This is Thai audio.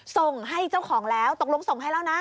ส่งให้เจ้าของแล้วตกลงส่งให้แล้วนะ